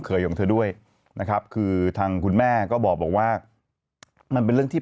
ของเธอด้วยนะครับคือทางคุณแม่ก็บอกว่ามันเป็นเรื่องที่